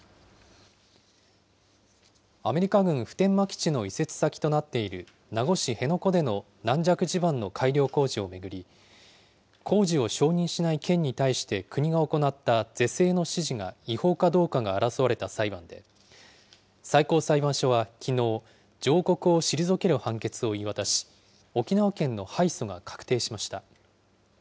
アメリカ軍普天間基地の移設先となっている、名護市辺野古での軟弱地盤の改良工事を巡り、工事を承認しない県に対して国が行った是正の指示が違法かどうかが争われた裁判で、最高裁判所はきのう、上告を退ける判決を言い渡し、沖縄県の敗訴が確定しました。